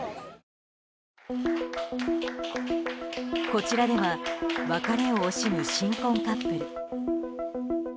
こちらでは別れを惜しむ新婚カップル。